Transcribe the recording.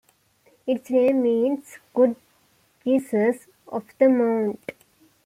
Its name means "Good Jesus of the Mount".